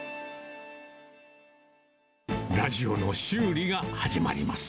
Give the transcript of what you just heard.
ラジオの修理が始まります。